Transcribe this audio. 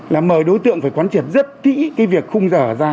là mời đối tượng phải quan trị rất kỹ cái việc khung giờ ra